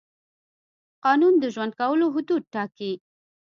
قانون د ژوند کولو حدود ټاکي.